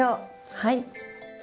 はい。